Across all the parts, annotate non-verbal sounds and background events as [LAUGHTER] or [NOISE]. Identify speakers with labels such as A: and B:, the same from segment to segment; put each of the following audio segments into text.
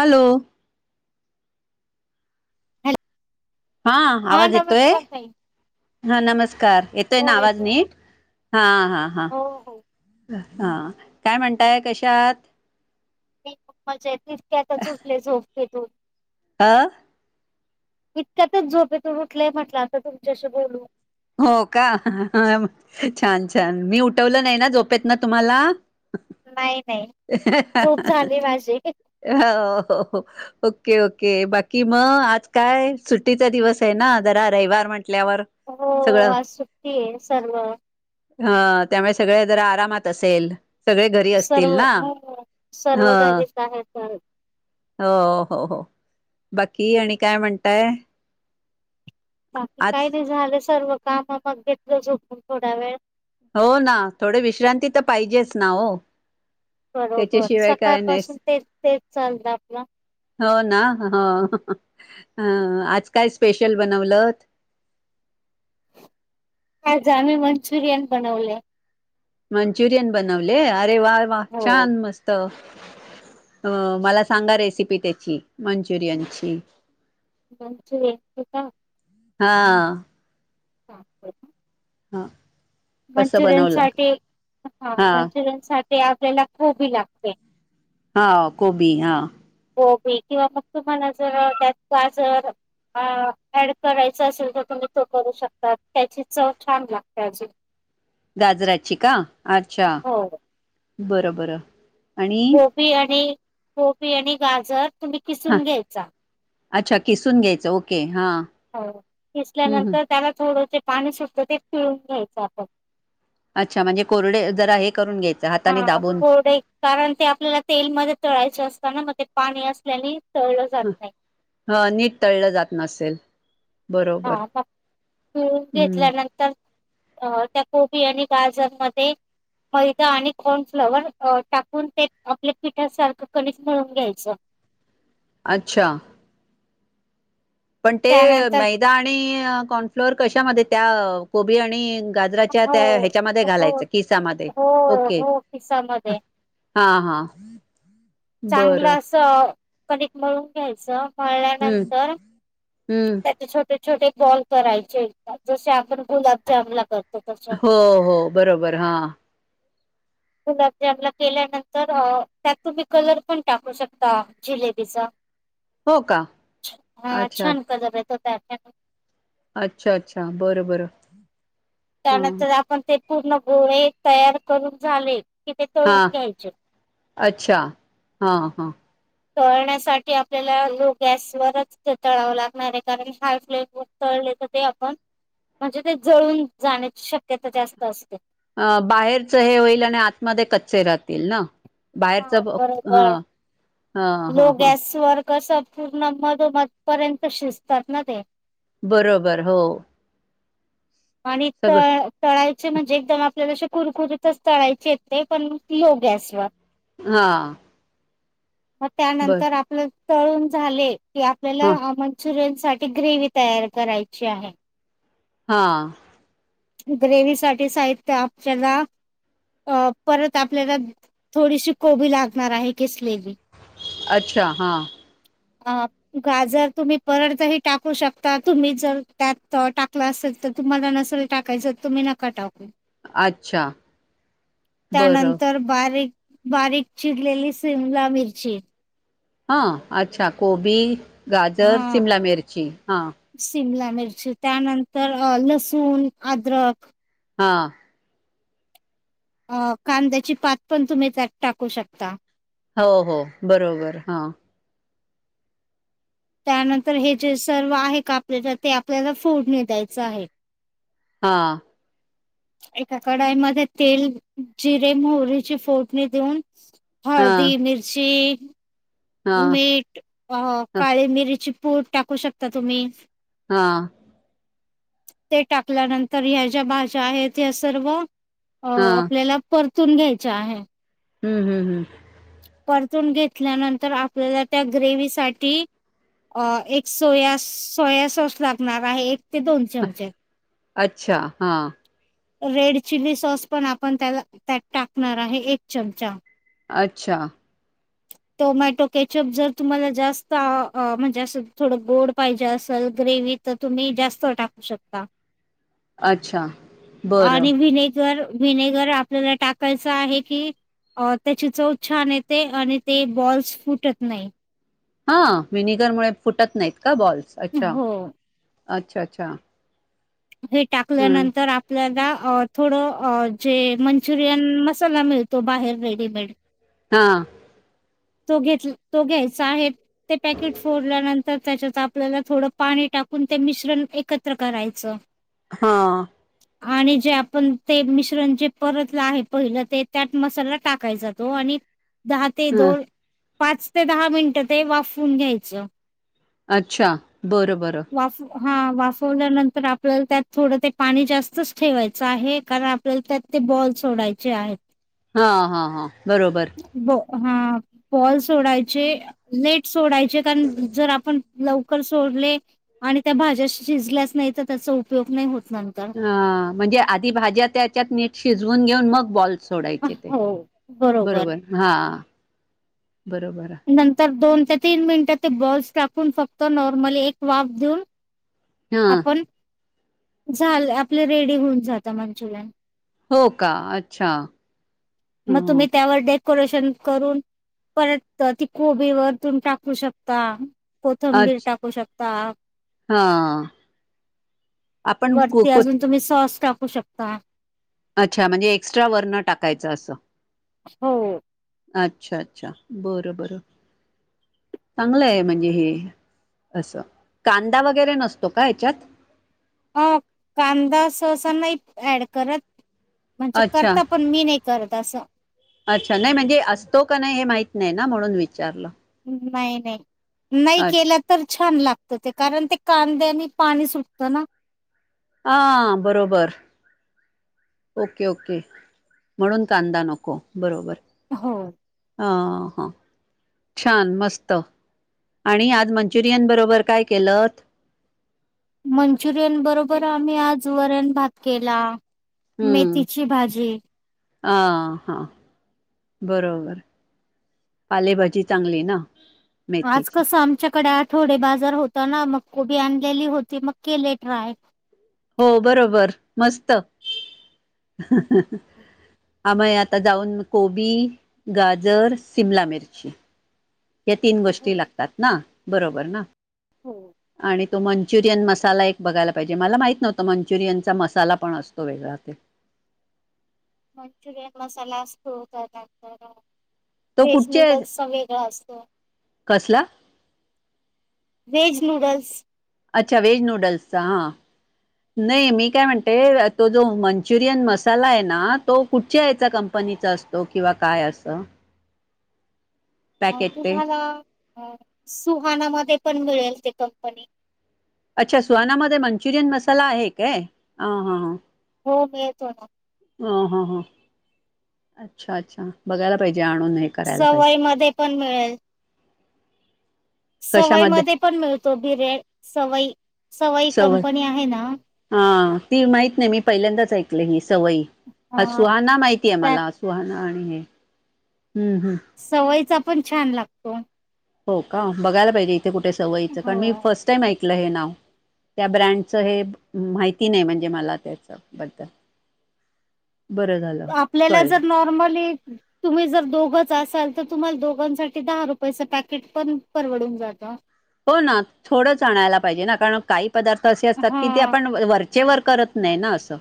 A: Hello
B: hello
A: हा
B: हा
A: आवाज येतोय?
B: नमस्कार ताई
A: हा नमस्कार येतोय ना आवाज नीट हा हा हा
B: हो हो
A: हा काय म्हणताय कशा आहात
B: [UNINTELLIGIBLE] इतक्यातच उठले झोपून तेेतो [UNINTELLIGIBLE]
A: आ
B: इतक्यातच झोपेतून उठलंय म्हटलं आता तुमच्याशी बोलू
A: हो का छान छान मी उठवलं नाही ना झोपेत ना तुम्हाला?
B: नाही नाही झोप
A: हं
B: झाली माझी
A: हं हो हो हो ओक ओके बाकी मग आज काय सुट्टीचा दिवस आहे ना जरा रविवार म्हण टल्यावर
B: हो आज सुट्टीय सर्व
A: ह त्यामुळे सगळे जरा आरामात असेल? सगळे घरी
B: सर्व
A: असतील ना?
B: हो हो.
A: अ
B: सर्व घरीच आहेत तर
A: हो हो हो बाकी आणि काय म्हणताय
B: बाकी
A: आज
B: काय नाही झालं सर्व काम मग घेतलं झपून थोडा वेळ
A: हो ना थोडे विश्रांती तर पाहिजेच ना हो
B: बरोबर
A: त्याच्याशिवाय
B: सकाळ
A: काय नाहीस
B: पाासून तेच तेच चालत आपलं
A: हो ना आज काय स्पेशल बनवल
B: जामी मंचुरयन बनवले
A: मंचुरयन बनवले े वाय वा
B: हो
A: छान मस्त अ मला सांगा रेसिपी त्याची मंचुरियनची
B: म्हच का
A: हा
B: हां
A: हा
B: मंचुरियन साठी हा मंचुरियन सा ते आपल्याला खूबी लागते
A: हा गबी हा
B: गोबी किंवा मग तुम्हाला जर त्यात गाजर ऍड करायच असेल तर तुम्ही तो करू शकता त्याची चव छान लागते अ
A: गाजराची का अच्छा बरं बरं आणि
B: गोबी आणि गपी आणि गाजर तुम्ही
A: हा
B: किसून घ्यायचा
A: अच्छा किसून घ्यायचं ओके हा
B: हो दिसल्यानंतर त्याला थोड पाणी सुटत ते पिळून घ्यायचं आपण
A: अच्छा म्हणजे कोरडे जर आहे
B: हा पढ कारण ते आपल्याला तेलमध्ये तोळायच असत म पाणी असल्याली
A: ह हा नीट तळलं जात नसेल
B: हा
A: बरोबर
B: मग मी
A: हम्म
B: घेतल्यानंतर अ त्या कोबी आणि गाजर म मैदा आणि कॉर्नफ्लवर टाकून ते आपल्या पिठासारखं कनज मिळून घ्यायचं
A: अच्छा पण ते
B: त्यानंतर
A: मैदा आणि कॉर्नफ्लोअर कशामध्ये त्या कोबी आणि गाजराच्या
B: हो
A: त्या ह्याच्यामध्ये
B: हो
A: घालायच किसामध्ये
B: हो
A: ओके
B: हो खिसामध्ये
A: हा हा बरं
B: चांगलं असं... कधक मळून घ्यायचं.
A: हम्म
B: म्हळल्यानंतर
A: हम्म
B: त्याचे छोटे... छोटे बॉल करायचे जसे आपण.. गुलाबजामला करतो तसं.
A: हो हो बरोबर हा..
B: गुलाबजामला केल्यानंतर त्यात तुम्ही कलर पण टाकू शकता जिलेबीचा...
A: हो का
B: हा
A: अच्छा
B: छानक जेत... ह [UNINTELLIGIBLE]
A: अच्छा अच्छा बरं बर.
B: त्यानंतर आपण ते.. पूर्ण गोळे तयार करून झाले. कि ते
A: हा
B: तळून घ्यायचे.
A: अच्छा हा हा.
B: तळण्यासाठी आपल्याला लो गॅसवररच ते तळावं लागणार आहे कारण हाय फ्लेम व तळले तर ते आपण म्हणजे ते जळून जाण्याची शक्यता जास्त असते.
A: अ बाहेरच हे होईल आणि आतमध्ये कच्चे राहतील ना.
B: हो
A: बाहेरचं हां
B: बरोबर
A: हां
B: लो
A: हां हां
B: गॅस वर कसं पूर्ण मधोमध पर्यंत शिजतात ना ते
A: बरोबर हो.
B: आणि त
A: सगळं
B: तळाय चे म्हणजे एकदम आपल्याला असे कुरकुरीतच तळायचे येत पण लो गॅसवर
A: हा.
B: म
A: बर
B: त्यानंतर आपलं तळून झाले. की, आपल्याला
A: हा
B: अ म्चुरिअन्स साठी ग्रेवी तयार करायची आहे.
A: हा.
B: ग्रेव साठी साहित्य आपल्याला अ परत आपल्याला थोडीशी कोबी लागणार आहे किस
A: अच्छा हा.
B: अ गाजर तुम्ही परत ही टाकू शकता तुम्ही जर त्यात टाकला असेल तर तुम्हाला नसल. टाकायचं तुम्ही नका टाकू.
A: अच्छा बरं
B: त्यानंतर बारीक बारीक चिरलेली शिमला मिरची
A: हा अच्छा कोबी गाजर,
B: हा
A: शिमला मिरची हा
B: सिमला मिरची त्यानंतर लसूण अद्रक
A: हा.
B: अ कांद्याची पात पण तुम्ही त्यात टाकू शकता.
A: हो हो बरोबर हा
B: त्यानंतर हे जे सर्व आहे का आपल्याला ते आपल्याला फोडणी द्यायचं आहे.
A: हा
B: एका कढाईमध्ये तेल जिरे मोहरीची फोडणी देऊन
A: हा
B: हळदी मिर्ची
A: हा
B: मीठ अ
A: हा
B: काळी मिरची पुड टाकू शकता तुम्ही
A: हा
B: ते टाकल्यानंतर ह्या ज्या भाज्या आहेत ह्या सर्व अ
A: हा
B: आपल्याला परत तुन घ्यायच्या आहे.
A: हम्म हम्म हम्म
B: परतून घेतल्यानंतर आपल्याला त्या ग्रेवी साठी एक सोया सोया सॉस लागणार आहे एक
A: अच्छा हा
B: रेड चिली सॉस पण आपण त्याला त्यात टाकणार आहे एक चमचा
A: अच्छा
B: टोमॅटो केचप जर तुम्हाला जास्त म्हणजे असं थोडं गोड पाहिजे असेल ग्रेव् तर तुम्ही जास्त टाकू शकता
A: अच्छा बरं
B: आणि विनयकर विनेगर आपल्याला टाकायचा आहे की त्याची चवथ छान येते आणि ते बॉल्स फुटत नाही
A: हा विनिगर मु फुटत नाहीत का बॉल्स अच्छा
B: हो
A: अच्छा अच्छा
B: हे
A: हा
B: टाकल्यानंतर आपल्याला अ थोडं जे मंचुरियन मसाला मिळतो बाहेर रेडीमेड
A: हा
B: तो घेत तो घ्यायचा आहे ते पॅकेट फोडल्यानंतर त्याच्यात आपल्याला थोडं पाणी टाकून ते मिश्रण एकत्र करायचं
A: हा
B: आणि जे आपण ते मिश्रण जे परतलं आहे पहिलं ते त्यात मसाला टाकाय जातो आणि दहा ते
A: हा
B: दोन पाच ते दहा मिनटं ते वाफून घ्यायचं
A: अच्छा बरं बरं
B: वाफ हा वाफवल्यानंतर आपल्याला त्यात थोडं ते पाणी जास्तच ठेवायचं आहे कारण आपल्याला त्यात ते बॉल सोडायचे आहेत
A: हा हा हा बरोबर
B: ब हा बाॅल सोडायचे नेट सोडायचे कारण जर आपण लवकर सोडले आणि त्या भाज्या शिजल्याच नाही तर त्याचा उपयोग नाही होत नंतर
A: ह म्हणजे आधी भाज्या त्याच्यात नीट शिज- घेऊन मग बॉल सोडायचे ते बरोबर हा बरोबर
B: नंतर दोन तीन मिनिटात ते बॉल्स टाकून फक्त नॉर्मल एक वाफ देऊन
A: हा
B: आपण झाल आपलं रेडी होऊन जात मंचुरियन.
A: हो का अच्छा.
B: मग
A: ह
B: तुम्ही त्यावर. डेकोरेशन करून परत ती कोबी वर तून टाकू शकता. कोथंबीर
A: अच्छ
B: टाकू शक- ता
A: हा आपण कोथि-
B: टाकु शकता
A: अच्छा म्हणजे एक्स्ट्रा वरण टाकायचं असं-
B: हो
A: अच्छा -अच्छा बरं बरं चांगलं आहे म्हणजे हे असं कांदा वगैरे नसतो का हच्यात
B: अ कांदा सहसा नाही ऍड करत. म्हणजे
A: अच्छा
B: करता पण मी नाही करत असं
A: -अच्छा नाही म्हणजे असतो का नाही हे माहिती नाही ना म्हणून विचारलं
B: नाही -नाही नाही
A: अच्छा
B: केलं तर छान लाग- ते कारण ते कांद्या आणि पाणी सुटत ना
A: हा बरोबर ओके ओके म्हणून कांदा नको बरोबर
B: हो
A: ह छान मस्त आणि आज मंचुरियन बरोबर काय केलंत
B: मंचुरियन बरोबर आम्ही आज वरण भात केला. मेथी ती ची भाजी.
A: आ हा बरोबर पालेभाजी चांगली ना-
B: आज
A: मेथीची
B: कसं आमच्याकडे आ- थोडे बाजार होता ना मग कोबी आणलेली होती मग केले ट्राय.
A: हो बरोबर मस्त आम्ही आता जाऊन कोबी गाजर शिमला मिरची- या तीन
B: हो
A: गोष्टी लागतात ना. बरोबर ना?
B: हो
A: आणि तो मंचुरियन मसाला एक बघायला पाहिजे मला माहित नव्हत मंचुरियनचा मसाला पण असतो वेगळा तो
B: मंचुरियन मसाला असतो हो त्या नंतर
A: तो
B: व्हेज
A: कुठचे
B: नूडल्सचा वेगळा असतो.
A: कसला
B: वेज नूडल्स.
A: अच्छा व्हेज नूडल्सचा हां नाही मी काय म्हणते तो जो मंचुरियन मसाला आहे ना तो कुठच्या याचा कंपनीचा असतो किंवा काय असं...
B: अ
A: पॅकेट ते
B: तुम्हाला... सुहानामध्ये पण मिळेल ते कंपनी...
A: अच्छा सुहानामध्ये मंचुरियन मसाला आहे काय ह हा..
B: हो मिळतो ना.
A: ह हा हा अच्छा अच्छा बघायला पाहिजे. आणून हे करायला
B: सवय
A: पाहिजे
B: म पण मिळेल. सवय म
A: कशामध्ये
B: पण मिळतो बिरेड सवई सवई
A: सवय
B: कंपनी आहे ना...
A: हां ती माहित नाही मी पहिल्यांदाच ऐकलं ह... सवई हा
B: अ
A: सुहाना माहितीय आहे मला सुहाना... हो आहे.
B: सवयचा पण छान लागतो. हो.
A: हो का बघायला पाहिजे. कुठे सवयचं मी
B: हो
A: फर्टाईम ऐकते ब मा नाही म्हणजे मला त्याच्याबद्दल बरं झालं
B: आपल्याला
A: कळलं
B: जर नॉर्मली तुम्ही जर दोघच असाल तर तुम्हाला दोघांसाठी दहा रुपयाचं पॅकेट पण परवडून जातं
A: हो ना थोडं आणायला पाहिजे ना कारण काही. पदार्थ असे असतात की ते
B: हा
A: आपण वर... चेवर करत नाही ना असं...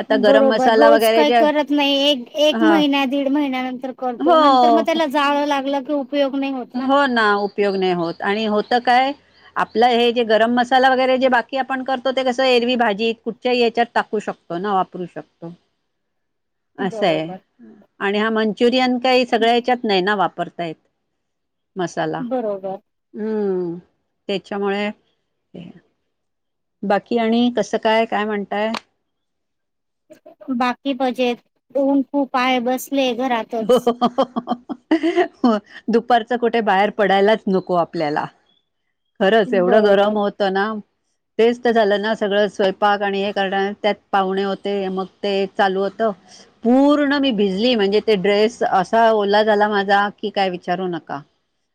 A: आता गरम
B: बरोबर
A: मसाला
B: रोज
A: वगैरे
B: काही
A: जे
B: करत नाही एक एक
A: हा
B: महिन दीड महिन्या नंतर करतो नंतर
A: हो
B: मग त्याला जाळ लाग. हो.
A: हो ना उपयोग नाही होत आणि हो काय आपलं हे जे गरम मसाला वगैरे जे बाकी आपण करतो ते कसं एरवी भाजी कुठच्या याच्यात टाकू शकतो ना वापरू शकतो. असंय
B: बरोबर.
A: आणि हा म्हण चुरियन सगळ्याच्यात नाही ना वापरत. आहेतत. मसाला
B: बरोबर
A: हम्म. त्याच्यामुळे बाकी आणि कसं काय काय म्हणताय.
B: बाकी बजे ऊन खूप आहे बस
A: हहहह हो दुपारच कुठे बाहेर पडायलाच नको आपल्याला खरंच एवढं
B: बरोबर
A: गरम होतं ना तेच तर झालं ना सगळं स्वयंपाक आणि हे करणार त्यात पाहुणे होते मग ते चालू होत पूर्ण मी भिजली म्हणजे ते ड्रेस असा ओला झाला माझा की काय विचारू नका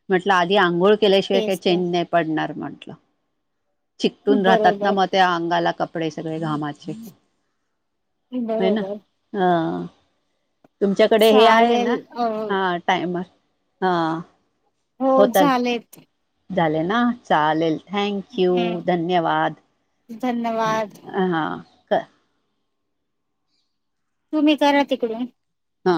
A: म्हट आधी आंघोळ केल्याशिवाय काही
B: तेच तर
A: चेन नाही पडणार म्हण [UNINTELLIGIBLE] चिकटून राहतात ना
B: बरोबर
A: मग त्या अंगाला कप कपडे सगळे गावाचे हना
B: बरोबर.
A: हा कडे हे आहे
B: चालेल
A: ना
B: अ
A: हा टाइमर हा
B: हो
A: होतल
B: झालेच
A: झाले ना चालेल थँक्यू
B: हम्म
A: धन्यवाद
B: धन्यवाद
A: का
B: तुम्ही करा तिकडे
A: हा